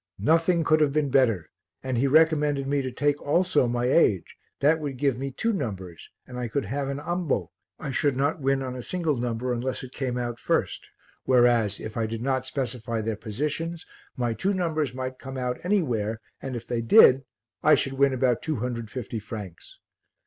Nothing could have been better and he recommended me to take also my age, that would give me two numbers and I could have an ambo, I should not win on a single number unless it came out first, whereas, if I did not specify their positions, my two numbers might come out anywhere and if they did I should win about 250 francs.